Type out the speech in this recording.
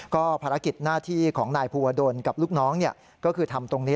ก็ภารกิจหน้าที่ของนายภูวดลกับลูกน้องก็คือทำตรงนี้